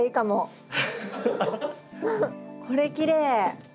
これきれい！